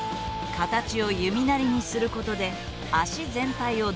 形を弓なりにすることで足全体をダンパーに。